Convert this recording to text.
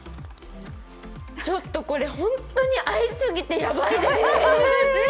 ちょっとこれ本当に合いすぎてヤバいです。